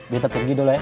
bisa tetep gitu ya